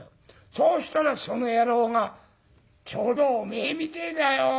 そうしたらその野郎がちょうどおめえみてえだよ。